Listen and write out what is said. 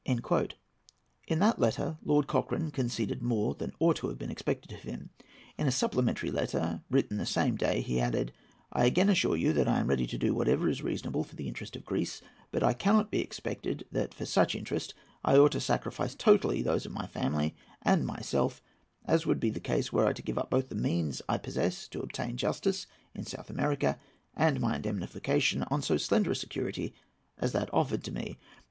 In that letter Lord Cochrane conceded more than ought to have been expected of him. In a supplementary letter written on the same day he added: "I again assure you that I am ready to do whatever is reasonable for the interest of Greece; but it cannot be expected that for such interest I ought to sacrifice totally those of my family and myself, as would be the case were I to give up both the means I possess to obtain justice in South America and my indemnification, on so slender a security as that offered to me.